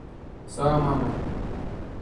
Sawa mama